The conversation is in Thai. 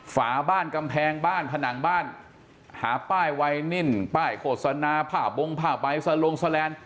ฝาบ้านกำแพงบ้านผนังบ้านหาป้ายไวนินป้ายโฆษณาผ้าบงผ้าใบสลงแสลนด์